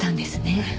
ええ。